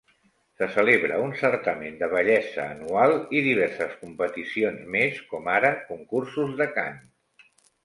Se celebra un certamen de bellesa anual i diverses competicions més com ara concursos de cant.